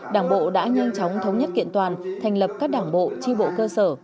đảng bộ đã nhanh chóng thống nhất kiện toàn thành lập các đảng bộ tri bộ cơ sở